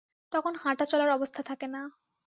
তখন হাঁটা চলার অবস্থা থাকে না।